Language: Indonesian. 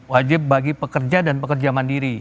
wajib bagi pekerja dan pekerja mandiri